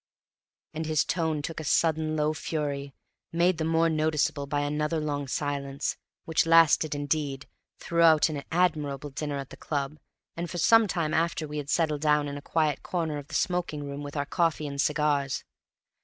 And his tone took a sudden low fury, made the more noticeable by another long silence, which lasted, indeed, throughout an admirable dinner at the club, and for some time after we had settled down in a quiet corner of the smoking room with our coffee and cigars.